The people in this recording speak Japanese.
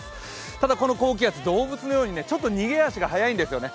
ただこの高気圧、動物のようにちょっと逃げ足が速いんですよね。